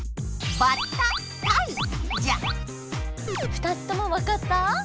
２つともわかった？